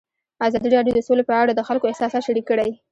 ازادي راډیو د سوله په اړه د خلکو احساسات شریک کړي.